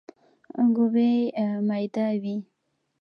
ګوبی ميده وي.